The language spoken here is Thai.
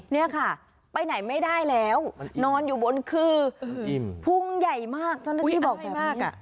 เข้าไปไปไหนไม่ได้แล้วนอนอยู่บนคือพุ่งใหญ่มากซะจบง่ายมากเพราะว่าไม่หนีไปไหน